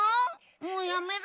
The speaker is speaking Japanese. もうやめる？